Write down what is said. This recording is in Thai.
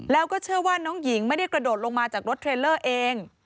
แล้วก็เชื่อว่าน้องหญิงไม่ได้กระโดดลงมาจากรถเทรลเลอร์เอง